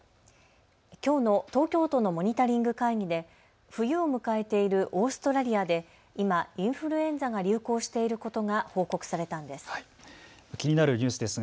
きょうの東京都のモニタリング会議で冬を迎えているオーストラリアで今インフルエンザが流行していることが報告されたんです。